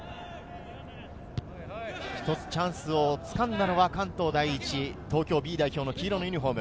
１つチャンスをつかんだのは関東第一、東京Ｂ代表、黄色のユニホーム。